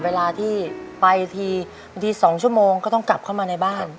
เวลาที่ไปทีบางที๒ชั่วโมงก็ต้องกลับเข้ามาในบ้าน